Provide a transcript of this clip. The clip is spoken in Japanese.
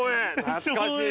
懐かしい。